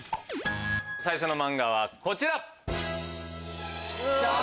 最初の漫画はこちら。